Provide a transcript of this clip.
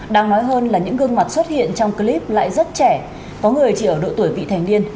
đáng nói hơn là những gương mặt xuất hiện trong clip lại rất trẻ có người chỉ ở độ tuổi vị thành niên